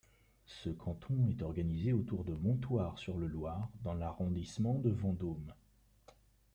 Ce canton est organisé autour de Montoire-sur-le-Loir dans l'arrondissement de Vendôme.